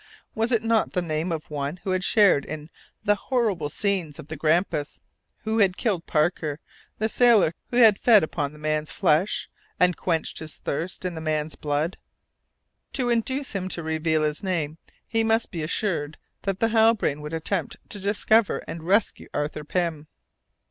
Was it not the name of one who had shared in the horrible scenes of the Grampus, who had killed Parker, the sailor, who had fed upon the man's flesh, and quenched his thirst in the man's blood? To induce him to reveal his name he must needs be assured that the Halbrane would attempt to discover and rescue Arthur Pym!